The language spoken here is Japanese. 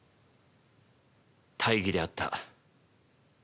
大儀であった。